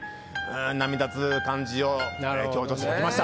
波立つ感じを強調して描きました。